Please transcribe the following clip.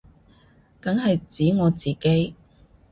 梗係指我自己